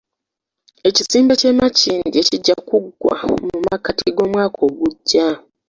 Ekizimbe ky'e Makindye kijja kuggwa mu makkati g'omwaka ogujja